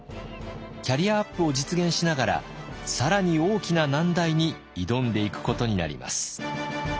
キャリアアップを実現しながら更に大きな難題に挑んでいくことになります。